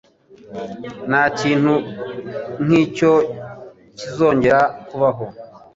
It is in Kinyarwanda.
Ntakintu nkicyo kizongera kubaho.